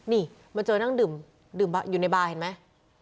นี่มาเจอนั่งดื่มดื่มอยู่ในบาร์เห็นมั้ย